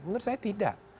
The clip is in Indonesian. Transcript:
menurut saya tidak